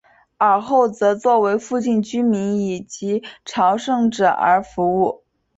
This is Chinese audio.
尔后则作为附近居民以及朝圣者而服务。